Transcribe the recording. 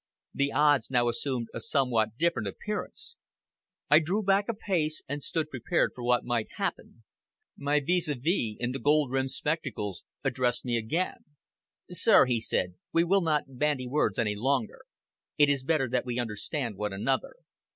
The odds now assumed a somewhat different appearance. I drew back a pace, and stood prepared for what might happen. My vis à vis in the gold rimmed spectacles addressed me again. "Sir," he said, "we will not bandy words any longer. It is better that we understand one another.